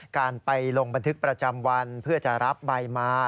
การไปลงบันทึกประจำวันเพื่อจะรับใบมา